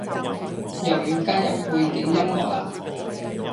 又要加入背景音樂喇？